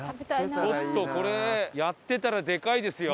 ちょっとこれやってたらでかいですよ。